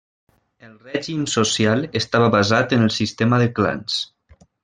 El règim social estava basat en el sistema de clans.